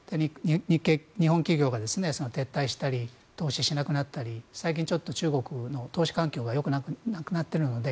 日本企業が撤退したり投資しなくなったり最近ちょっと中国の投資環境がよくなくなっているので。